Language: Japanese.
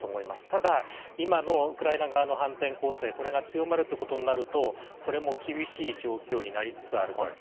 ただ、今のウクライナ側の反転攻勢これが強まることになるとそれも厳しい状況になりつつあると。